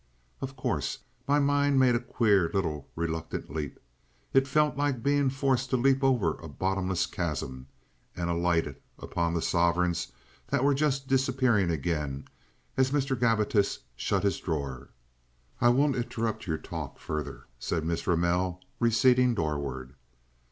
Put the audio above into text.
Of course! My mind made a queer little reluctant leap—it felt like being forced to leap over a bottomless chasm—and alighted upon the sovereigns that were just disappearing again as Mr. Gabbitas shut his drawer. "I won't interrupt your talk further," said Miss Ramell, receding doorward.